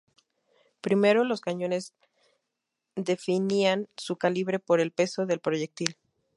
Primero, los cañones definían su calibre por el peso del proyectil.